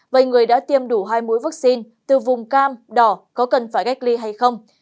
vậy người đã tiêm đủ hai mũi vaccine từ vùng cam đỏ có cần phải cách ly hay không